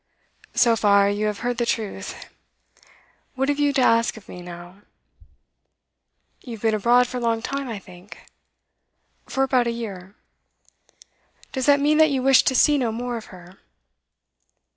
'So far, you have heard the truth. What have you to ask of me, now?' 'You have been abroad for a long time, I think?' 'For about a year.' 'Does that mean that you wished to see no more of her?